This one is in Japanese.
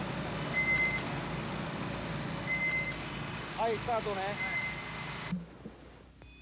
はいスタートね。